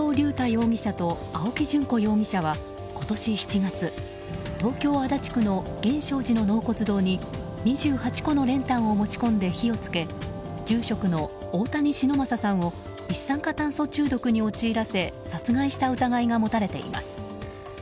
容疑者と青木淳子容疑者は今年７月東京・足立区の源証寺の納骨堂に２８個の練炭を持ち込んで火を付け住職の大谷忍昌さんを一酸化炭素中毒に陥らせ殺害した疑いが持たれています。